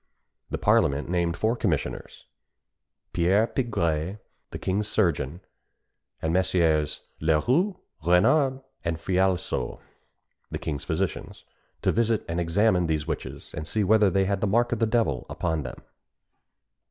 The parliament named four commissioners Pierre Pigray, the king's surgeon, and Messieurs Leroi, Renard, and Falaiseau, the king's physicians to visit and examine these witches, and see whether they had the mark of the devil upon them.